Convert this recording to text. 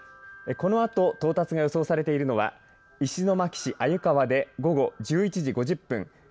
このあと到達が予想されているのは石巻市鮎川で午後１１時５０分。